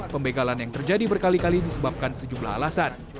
pembegalan yang terjadi berkali kali disebabkan sejumlah alasan